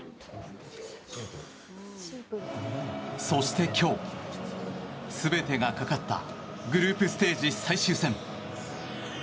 そして今日全てがかかったグループステージ最終戦。